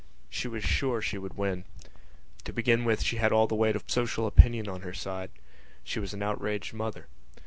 She was sure she would win. To begin with she had all the weight of social opinion on her side: she was an outraged mother.